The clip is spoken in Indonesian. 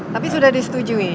tapi sudah disetujui